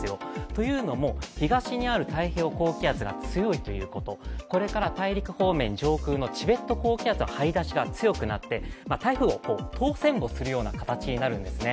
というのも、東にある太平洋高気圧が強いということ、これから大陸方面、上空のチベット高気圧が張り出してきて台風を通せんぼするような形になるんですね。